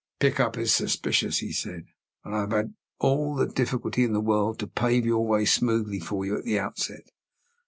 "Pickup is suspicious," he said; "and I have had all the difficulty in the world to pave your way smoothly for you at the outset.